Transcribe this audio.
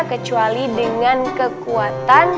kecuali dengan kekuatan